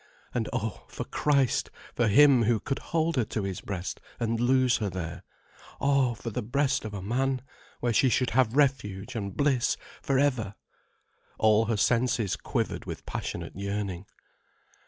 And oh, for Christ, for him who could hold her to his breast and lose her there. Oh, for the breast of man, where she should have refuge and bliss for ever! All her senses quivered with passionate yearning.